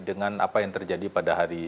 dengan apa yang terjadi pada hari